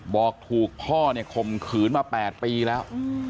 บอกถูกพ่อเนี่ยข่มขืนมา๘ปีแล้ว